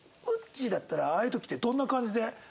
うっちーだったらああいう時ってどんな感じで？